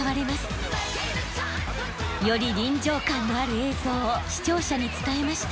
より臨場感のある映像を視聴者に伝えました。